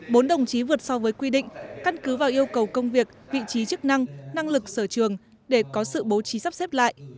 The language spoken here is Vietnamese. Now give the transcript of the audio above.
bốn đồng chí vượt so với quy định căn cứ vào yêu cầu công việc vị trí chức năng năng lực sở trường để có sự bố trí sắp xếp lại